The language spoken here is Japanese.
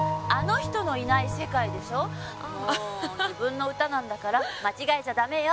もう自分の歌なんだから間違えちゃダメよ。